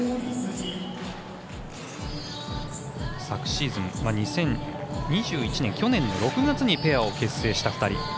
昨シーズン、２０２１年去年の６月にペアを結成した２人。